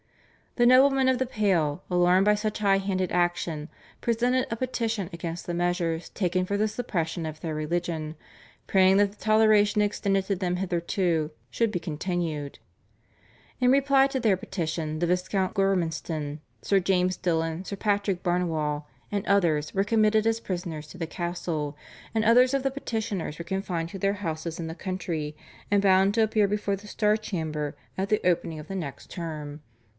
The noblemen of the Pale, alarmed by such high handed action, presented a petition against the measures taken for the suppression of their religion, praying that the toleration extended to them hitherto should be continued. In reply to their petition the Viscount Gormanston, Sir James Dillon, Sir Patrick Barnewall, and others were committed as prisoners to the Castle, and others of the petitioners were confined to their houses in the country, and bound to appear before the Star Chamber at the opening of the next term (Dec.